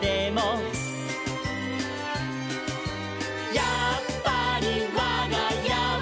「やっぱりわがやは」